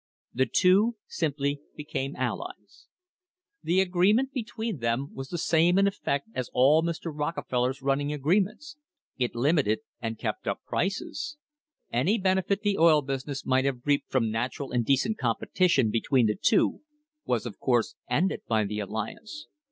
THE HISTORY OF THE STANDARD OIL COMPANY The agreement between them was the same in effect as all Mr. Rockefeller's running agreements it limited and kept up prices.* Any benefit the oil business might have reaped from natural and decent competition between the two was of course ended by the alliance.